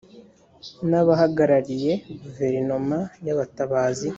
n abahagarariye guverinoma y abatabazi